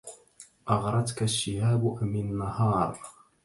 أغرتك الشهاب أم النهار